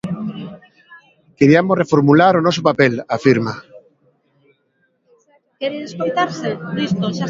Queriamos reformular o noso papel, afirma.